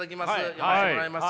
読ませてもらいます。